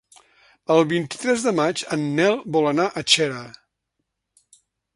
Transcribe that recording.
El vint-i-tres de maig en Nel vol anar a Xera.